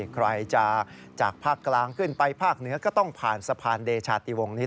ใครจะจากภาคกลางขึ้นไปภาคเหนือก็ต้องผ่านสะพานเดชาติวงศ